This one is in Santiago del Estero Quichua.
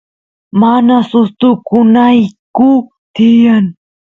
mana sustukunayku tiyan